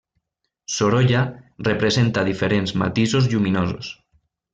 Sorolla, representa diferents matisos lluminosos.